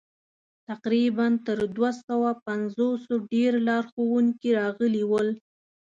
تقریباً تر دوه سوه پنځوسو ډېر لارښوونکي راغلي ول.